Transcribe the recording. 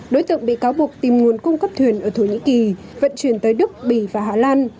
đối tượng bị cáo buộc tìm nguồn cung cấp thuyền ở thổ nhĩ kỳ vận chuyển tới đức bỉ và hà lan